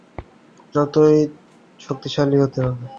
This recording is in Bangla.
শত্রুর আগ্নেয়াস্ত্র যত ভারী হবে, আমাদের ঠিক ততটাই শক্তিশালী হতে হবে।